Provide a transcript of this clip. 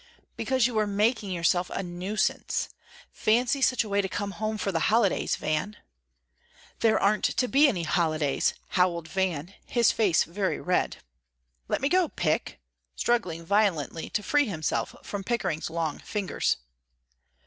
"Because you were making yourself a nuisance. Fancy such a way to come home for the holidays, Van." "There aren't to be any holidays," howled Van, his face very red. "Let me go, Pick," struggling violently to free himself from Pickering's long fingers.